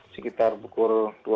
sekitar bukur dua belas